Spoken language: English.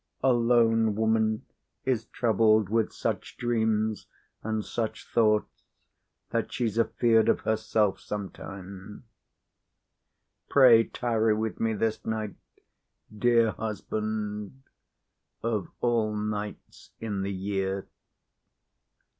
A lone woman is troubled with such dreams and such thoughts that she's afeard of herself sometimes. Pray tarry with me this night, dear husband, of all nights in the year."